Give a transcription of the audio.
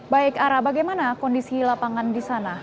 baik ara bagaimana kondisi lapangan di sana